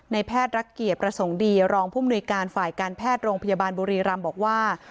แพทย์รักเกียรติประสงค์ดีรองผู้มนุยการฝ่ายการแพทย์โรงพยาบาลบุรีรำบอกว่า